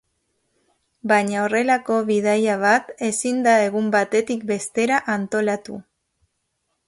Baina horrelako bidaia bat ezin da egun batetik bestera antolatu.